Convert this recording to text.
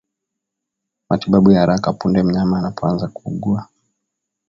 Matibabu ya haraka punde mnyama anapoanza kuugua